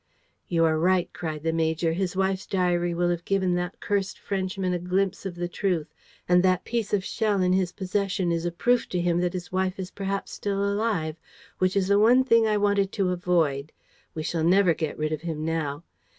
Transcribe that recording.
"You are right," cried the major. "His wife's diary will have given that cursed Frenchman a glimpse of the truth; and that piece of shell in his possession is a proof to him that his wife is perhaps still alive, which is the one thing I wanted to avoid. We shall never get rid of him now!"